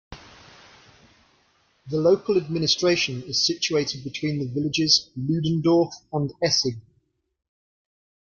The local administration is situated between the villages Ludendorf and Essig.